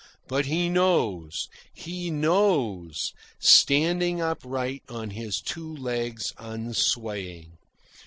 But he knows, HE knows, standing upright on his two legs unswaying.